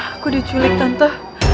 aku diculik tante